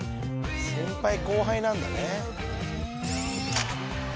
「先輩後輩なんだね」